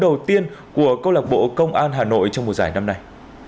đầu tiên của câu lạc bộ công an hà nội trong mùa giải năm nay